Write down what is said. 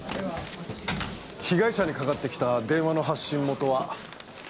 被害者にかかってきた電話の発信元は。